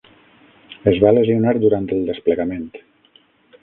Es va lesionar durant el desplegament.